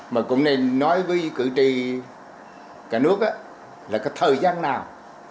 mà cũng nên nói với cử tri cả nước là cái thời gian nào